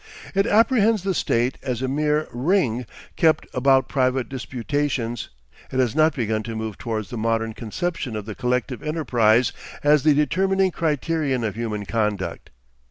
It apprehends the State as a mere "ring" kept about private disputations; it has not begun to move towards the modern conception of the collective enterprise as the determining criterion of human conduct.